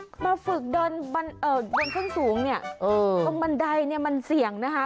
มาฝึกเดินบนส้นสูงลงบันไดมันเสี่ยงนะฮะ